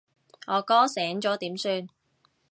我哥醒咗點算？